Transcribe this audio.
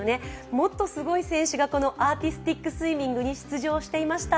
もっとすごい選手がアーティスティックスイミングに出場していました。